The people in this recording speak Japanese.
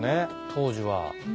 当時は。